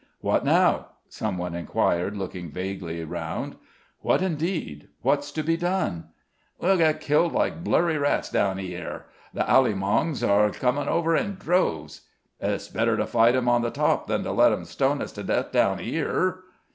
"What now?" somebody enquired, looking vaguely round. "What indeed? What's to be done?" "We'll get killed like blurry rats down 'ere.... The Alleymongs are coming over in droves...." "It's better to fight them on the top than to let them stone us to death down here."